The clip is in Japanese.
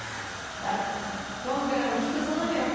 なら今回もきっとそうなるよ。